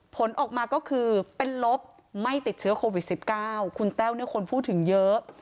ผลออกมาก็คือเป็นลบไม่ติดเชื้อโควิด๑๙คุณแต้วเนี่ยคนพูดถึงเยอะ